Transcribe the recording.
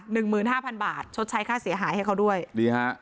หนึ่งหมื่นห้าพันบาทชดใช้ค่าเสียหายให้เขาด้วยดีฮะ